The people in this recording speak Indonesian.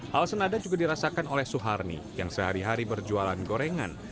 hal senada juga dirasakan oleh suharni yang sehari hari berjualan gorengan